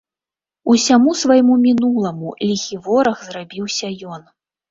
Усяму свайму мінуламу ліхі вораг зрабіўся ён.